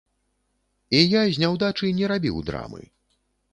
І я з няўдачы не рабіў драмы.